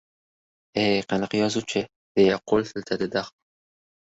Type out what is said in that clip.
— E-e, qanaqa yozuvchi! — deya qo‘l siltadi Daho.